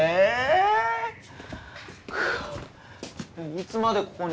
いつまでここにいれば。